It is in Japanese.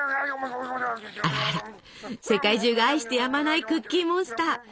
あらあら世界中が愛してやまないクッキーモンスター。